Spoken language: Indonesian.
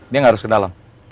dia gak harus ke dalam oke